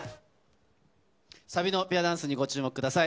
さあ、ペアダンスにご注目ください。